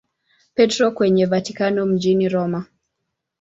Petro kwenye Vatikano mjini Roma.